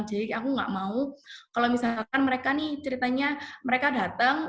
jadi aku tidak mau kalau misalkan ceritanya mereka datang